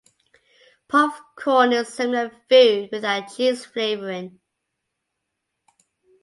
Puffcorn is a similar food, without cheese flavoring.